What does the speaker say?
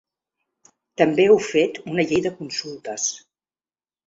També heu fet una llei de consultes.